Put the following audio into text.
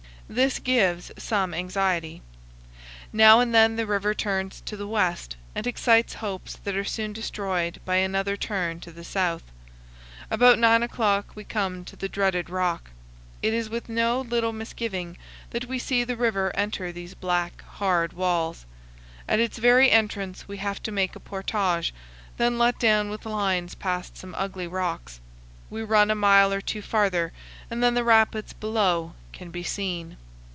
This gives some anxiety. Now and then the river turns to the west and excites hopes that are soon destroyed by another turn to the south. About nine o'clock we come to the dreaded rock. It is with no little misgiving that we see the river enter these black, hard walls. At its very entrance we have to make a portage; then let down with lines past some ugly rocks. We run a mile or two farther, and then the rapids below can be seen.